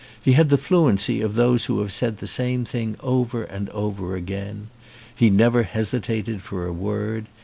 He had the fluency of those who have said the same thing over and over again. He never hesitated for a word.